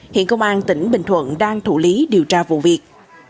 hiện công an tỉnh bình thuận đang thủ lý điều tra vụ việc